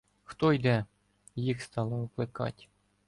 "Хто йде?" — їх стала окликать.